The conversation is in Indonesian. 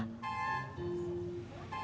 yang baru mahal druk